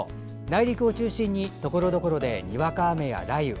内陸を中心に、ところどころでにわか雨や雷雨。